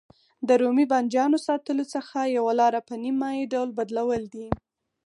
د رومي بانجانو ساتلو څخه یوه لاره په نیم مایع ډول بدلول دي.